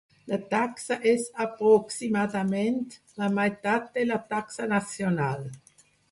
La taxa és aproximadament la meitat de la taxa nacional.